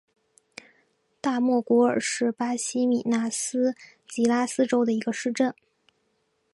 大莫古尔是巴西米纳斯吉拉斯州的一个市镇。